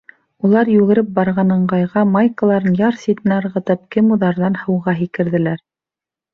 Улар йүгереп барған ыңғайға майкаларын яр ситенә ырғытып, кемуҙарҙан, һыуға һикерҙеләр.